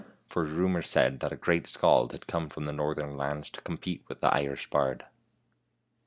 For rumor said that a great Skald had come from the northern lands to compete with the Irish bard.